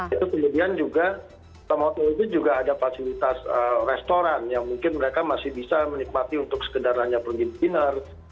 itu kemudian juga tempatnya itu juga ada fasilitas restoran yang mungkin mereka masih bisa menikmati untuk sekedar hanya pengimpinan